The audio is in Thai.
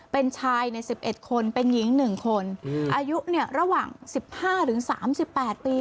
เป็นชายใน๑๑คนเป็นหญิง๑คนอายุระหว่าง๑๕๓๘ปี